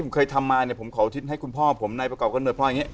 เคยทำมาเนี่ยผมขออธิษฐานให้คุณพ่อผมในประกอบการณ์โหนดพ่ออย่างนี้